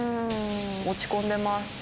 落ち込んでます。